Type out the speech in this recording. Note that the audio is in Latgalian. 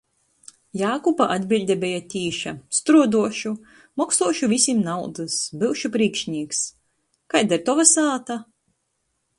Jākuba atbiļde beja tīša. Struoduošu. Moksuošu vysim naudys. Byušu prīkšnīks. Kaida ir tova sāta?